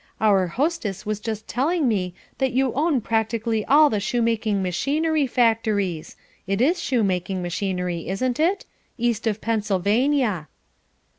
Our hostess was just telling me that you own practically all the shoemaking machinery factories it IS shoe making machinery, isn't it? east of Pennsylvania."